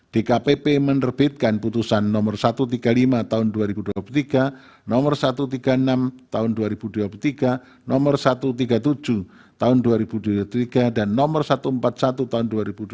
dkpp menerbitkan putusan nomor satu ratus tiga puluh lima tahun dua ribu dua puluh tiga nomor satu ratus tiga puluh enam tahun dua ribu dua puluh tiga nomor satu ratus tiga puluh tujuh tahun dua ribu dua puluh tiga dan nomor satu ratus empat puluh satu tahun dua ribu dua puluh